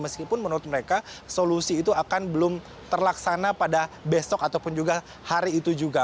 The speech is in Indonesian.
meskipun menurut mereka solusi itu akan belum terlaksana pada besok ataupun juga hari itu juga